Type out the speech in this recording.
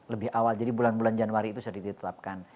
lebih awal jadi bulan bulan januari itu sudah ditetapkan